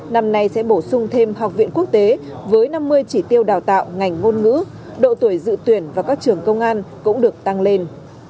năm nay sẽ bổ sung thêm học viện quốc tế với năm mươi chỉ tiêu đào tạo ngành ngôn ngữ độ tuổi dự tuyển vào các trường công an cũng được tăng lên